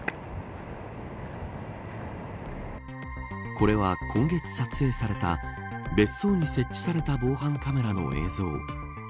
これは、今月撮影された別荘に設置された防犯カメラの映像。